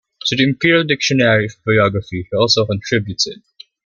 To the "Imperial Dictionary of Biography" he also contributed.